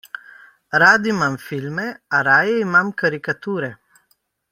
Rad imam filme, a raje imam karikature.